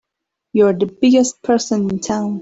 You're the biggest person in town!